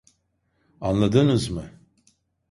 Anladınız mı?